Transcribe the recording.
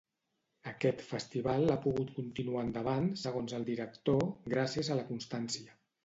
Aquest festival ha pogut continuar endavant, segons el director, gràcies a la constància.